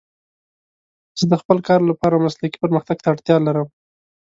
زه د خپل کار لپاره مسلکي پرمختګ ته اړتیا لرم.